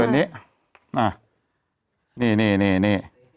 นี่